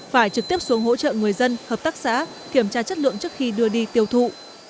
phải trực tiếp xuống hỗ trợ người dân hợp tác xã kiểm tra chất lượng trước khi đưa đi tiêu thụ